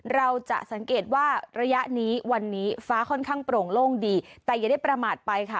เราจะสังเกตว่าระยะนี้วันนี้ฟ้าค่อนข้างโปร่งโล่งดีแต่อย่าได้ประมาทไปค่ะ